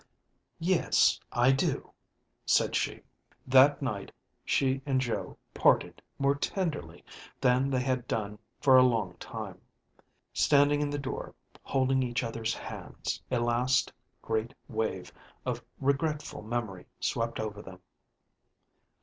ďYes, I do," said she. That night she and Joe parted more tenderly than they had done for a long time. Standing in the door, holding each other's hands, a last great wave of regretful memory swept over them.